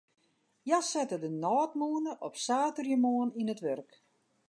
Hja sette de nôtmûne op saterdeitemoarn yn it wurk.